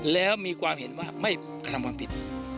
แล้วมีความเห็นว่าไม่กระทำความผิด